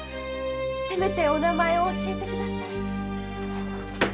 せめてお名前を教えてください。